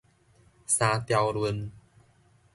三條崙